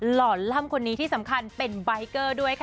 หล่อล่ำคนนี้ที่สำคัญเป็นใบเกอร์ด้วยค่ะ